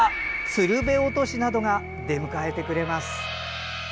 釣瓶落としなどが出迎えてくれます。